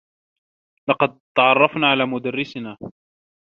لقد تعرّفنا على مدرّسنا.